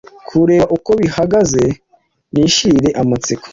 kureba uko bihagaze nishirire amatsiko.